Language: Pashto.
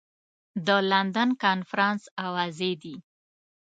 د لندن کنفرانس اوازې دي.